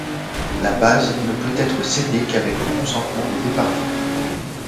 La base ne peut être cédée qu'avec le consentement des deux parties.